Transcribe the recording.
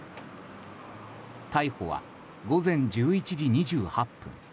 逮捕は午前１１時２８分。